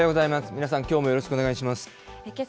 皆さん、きょうもよろしくお願いけさ